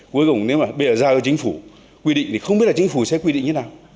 cuối cùng nếu mà bây giờ giao cho chính phủ quy định thì không biết là chính phủ sẽ quy định như thế nào